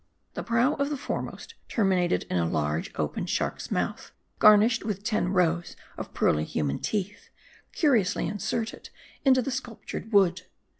The prow of the foremost terminated in a large, open, shark's mouth, garnished with ten rows of pearly human teeth, curiously inserted into the sculptured wood.